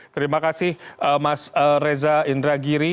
terima kasih mas reza indragiri